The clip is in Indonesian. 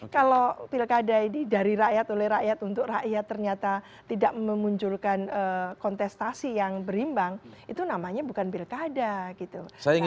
kalau pilkada ini dari rakyat oleh rakyat untuk rakyat ternyata tidak memunculkan kontestasi yang berimbang itu namanya bukan pilkada gitu